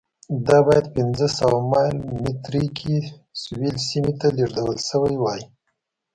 دا باید پنځه سوه مایل مترۍ کې سویل سیمې ته لېږدول شوې وای.